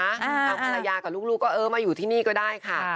ทางภรรยากับลูกก็เออมาอยู่ที่นี่ก็ได้ค่ะ